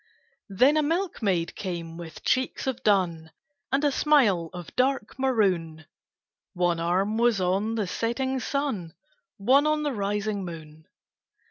Then a milkmaid came with cheeks of dun And a smile of dark maroon, One arm was on the setting sun, One on the rising moon.